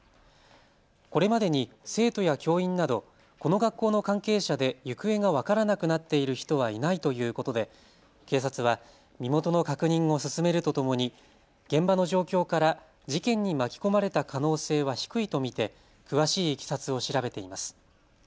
これまでに生徒や教員などこの学校の関係者で行方が分からなくなっている人はいないということで警察は身元の確認を進めるとともに現場の状況から事件に巻き込まれた可能性は低いと見て詳しいいきさつを調べています。